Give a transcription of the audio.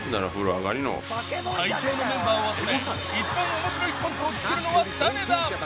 最強のメンバーを集め一番面白いコントを作るのは誰だ。